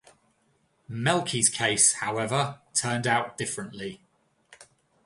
Melky's case, however, turned out differently.